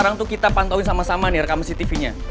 sekarang tuh kita pantauin sama sama rekaman cctvnya